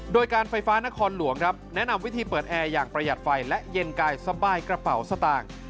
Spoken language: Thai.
โดยการไฟฟ้านครหลวงครับแนะนำวิธีเปิดแอร์อย่างประหยัดไฟและเย็นกายสบายกระเป๋าสตางค์